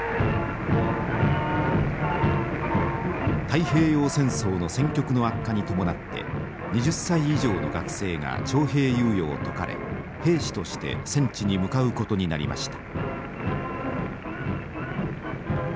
太平洋戦争の戦局の悪化に伴って２０歳以上の学生が徴兵猶予を解かれ兵士として戦地に向かうことになりました。